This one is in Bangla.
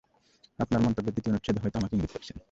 আপনার মন্তব্যের দ্বিতীয় অনুচ্ছেদে হয়তো আমাকে ইঙ্গিত করেছেন।